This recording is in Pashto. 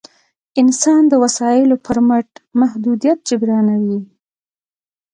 انسان د وسایلو پر مټ محدودیت جبرانوي.